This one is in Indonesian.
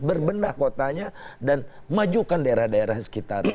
berbenah kotanya dan majukan daerah daerah di sekitar